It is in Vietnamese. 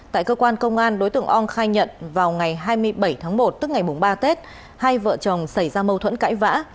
tại cơ quan công an đối tượng ong khai nhận vào ngày hai mươi bảy tháng một tức ngày ba tết hai vợ chồng xảy ra mâu thuẫn cãi vã